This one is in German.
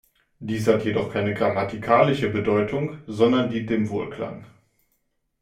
Dies hat jedoch keine grammatikalische Bedeutung, sondern dient dem Wohlklang.